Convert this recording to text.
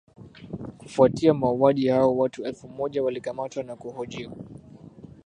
Kufuatia mauaji hayo watu elfu moja walikamatwa na kuhojiwa